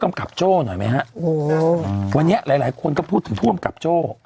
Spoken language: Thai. กำกับเจ้าหน่อยไหมวันนี้หลายและคนก็พูดถึงพูดกำกับโจ้